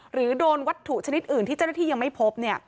หรือโดนวัตถุชนิดอื่นที่เจ้าหน้าที่ยังไม่พบ